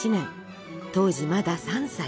当時まだ３歳。